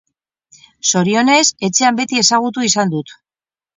Zorionez, etxean beti ezagutu izan dut.